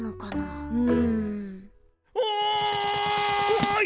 おい！